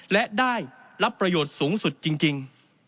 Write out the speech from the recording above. และได้รับประโยชน์สูงสุดจริง